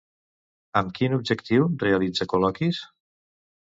Amb quin objectiu realitza col·loquis?